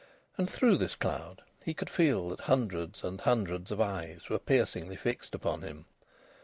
And through this cloud he could feel that hundreds and hundreds of eyes were piercingly fixed upon him.